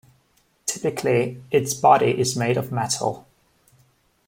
Typically its body is made of metal.